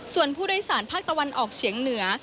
ส่วนผู้โดยสารภาคตะวันออกเฉียงเหนือ